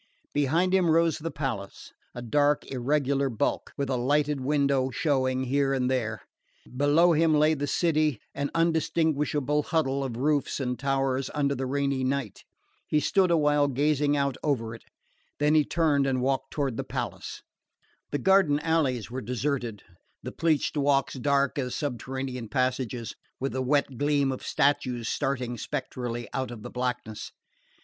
Behind him rose the palace, a dark irregular bulk, with a lighted window showing here and there. Before him lay the city, an indistinguishable huddle of roofs and towers under the rainy night. He stood awhile gazing out over it; then he turned and walked toward the palace. The garden alleys were deserted, the pleached walks dark as subterranean passages, with the wet gleam of statues starting spectrally out of the blackness.